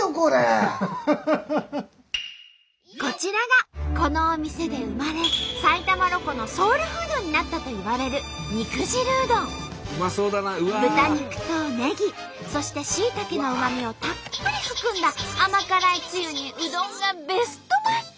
こちらがこのお店で生まれ埼玉ロコのソウルフードになったといわれる豚肉とネギそしてしいたけのうまみをたっぷり含んだ甘辛いつゆにうどんがベストマッチ！